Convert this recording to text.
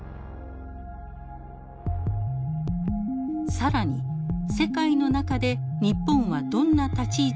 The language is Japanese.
更に世界の中で日本はどんな立ち位置にあるのか。